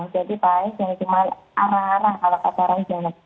jadi kain yang cuman arah arah kalau kata orang jenis